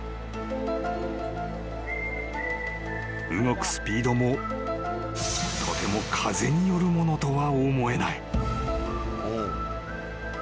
［動くスピードもとても風によるものとは思えない］